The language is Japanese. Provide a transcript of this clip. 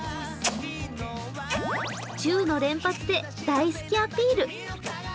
チューの連発で大好きアピール。